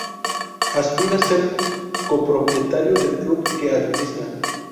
Aspira a ser copropietario del club que administra.